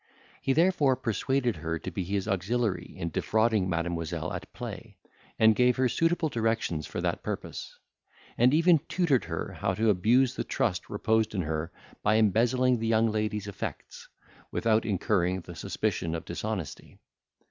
He therefore persuaded her to be his auxiliary in defrauding Mademoiselle at play, and gave her suitable directions for that purpose; and even tutored her how to abuse the trust reposed in her, by embezzling the young lady's effects, without incurring the suspicion of dishonesty.